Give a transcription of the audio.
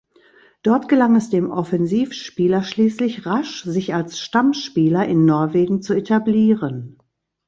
Dort gelang es dem Offensivspieler schließlich rasch sich als Stammspieler in Norwegen zu etablieren.